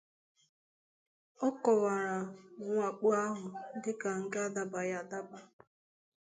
Ọ kọwara mwakpo ahụ dịka nke adabaghị adaba